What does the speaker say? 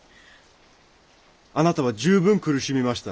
あなたは十分苦しみました。